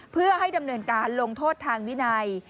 เพื่อให้ดำเนินการลงโทษทางวินัย